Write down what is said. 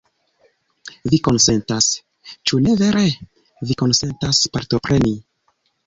Vi konsentas, ĉu ne vere? Vi konsentas partopreni?